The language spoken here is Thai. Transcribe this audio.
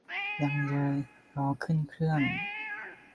ยังเยย รอขึ้นเครื่อง